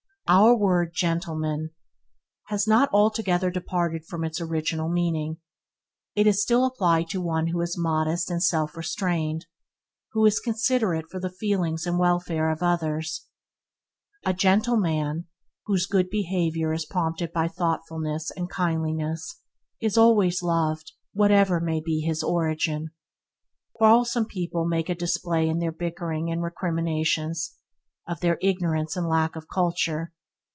Our word gentlemen has not altogether departed from its original meaning. It is still applied to one who is modest and self restrained, and is considerate for the feelings and welfare of others. A gentle man one whose good behavior is prompted by thoughtfulness and kindliness is always loved, whatever may be his origin. Quarrelsome people make a display in their bickering and recriminations – of their ignorance and lack of culture.